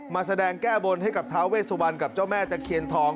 มาแสดงแก้บนให้กับท้าเวสุวรรณกับเจ้าแม่ตะเคียนทอง